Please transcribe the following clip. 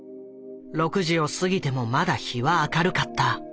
６時を過ぎてもまだ日は明るかった。